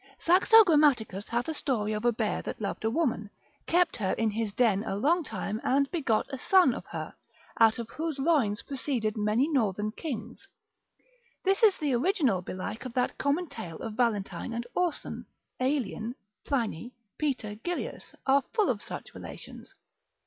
Saxo Grammaticus, lib. 10. Dan. hist. hath a story of a bear that loved a woman, kept her in his den a long time and begot a son of her, out of whose loins proceeded many northern kings: this is the original belike of that common tale of Valentine and Orson: Aelian, Pliny, Peter Gillius, are full of such relations.